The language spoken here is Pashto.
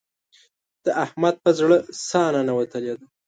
د احمد په زړه ساړه ننوتلې ده.